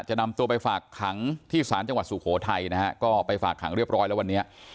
นำตัวไปฝากขังที่ศาลจังหวัดสุโขทัยนะฮะก็ไปฝากขังเรียบร้อยแล้ววันนี้